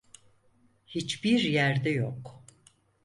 Hiçbir yerde yok.